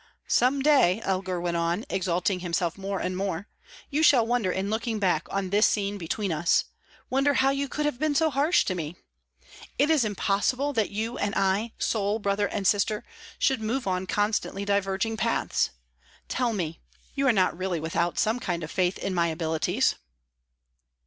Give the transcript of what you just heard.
"Some day," Elgar went on, exalting himself more and more, "you shall wonder in looking back on this scene between us wonder how you could have been so harsh to me. It is impossible that you and I, sole brother and sister, should move on constantly diverging paths. Tell me you are not really without some kind of faith in my abilities?"